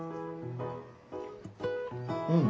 うん。